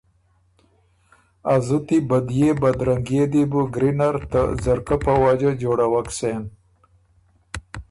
ا زُتی بدئے بدرنګئے دی بُو ګری نر ته ځرګۀ په وجه جوړوک سېن۔